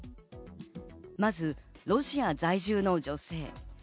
まずロシア在住の女性。